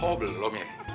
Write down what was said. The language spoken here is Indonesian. oh belum ya